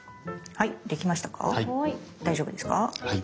はい大丈夫です。